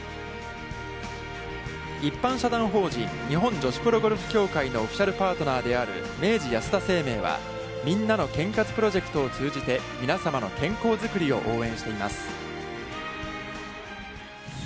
一般社団法人日本女子プロゴルフ協会のオフィシャルパートナーである明治安田生命は「みんなの健活プロジェクト」を通じて皆様の健康づくりを応援しています。